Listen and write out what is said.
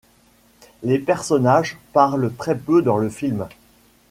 Les personnages parlent très peu dans le film.